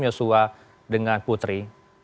yosua dengan putri